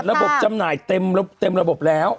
เปิดระบบจำหน่ายเต็มระบบแล้ว